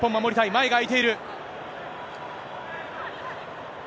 前が空いている。